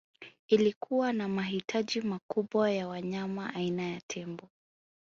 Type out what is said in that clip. Ilikuwa na mahitaji makubwa ya wanyama aina ya tembo